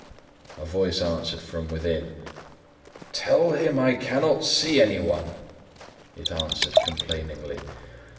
A voice answered from within: "Tell him I cannot see anyone," it said complainingly.